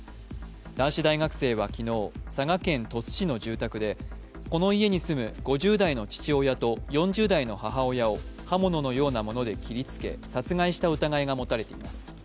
男子大学生は昨日、佐賀県鳥栖市の住宅でこの家に住む５０代の父親と４０代の母親を刃物のようなもので切りつけ殺害した疑いが持たれています。